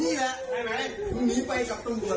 วิทยาลัยแซมเกอร์